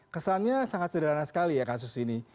kesannya sangat sederhana sekali ya kasus ini